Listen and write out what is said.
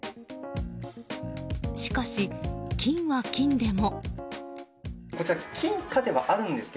しかし、金は金でも。